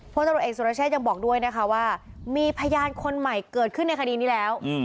พลตำรวจเอกสุรเชษยังบอกด้วยนะคะว่ามีพยานคนใหม่เกิดขึ้นในคดีนี้แล้ว